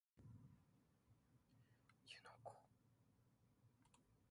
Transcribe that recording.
湯ノ湖